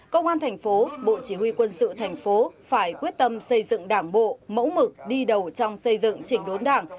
công an thành phố bộ chỉ huy quân sự thành phố phải quyết tâm xây dựng đảng bộ mẫu mực đi đầu trong xây dựng chỉnh đốn đảng